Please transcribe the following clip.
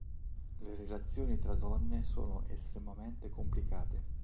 Le relazioni tra donne sono estremamente complicate.